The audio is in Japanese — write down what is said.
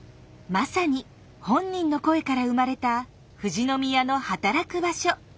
まさに本人の声から生まれた富士宮の働く場所。